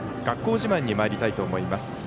学校自慢にまいりたいと思います。